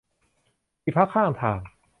ที่พักข้างทาง